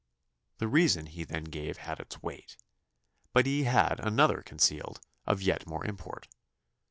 The reason he then gave had its weight; but he had another concealed, of yet more import.